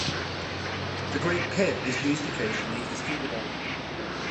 The Great Pit is used occasionally for scuba diving.